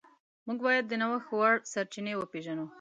موږ باید د نوښت وړ سرچینې وپیژنو.